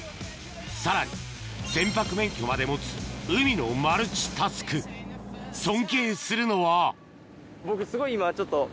さらに船舶免許まで持つ海のマルチタスク尊敬するのは僕。